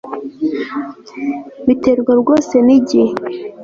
Biterwa rwose nigihe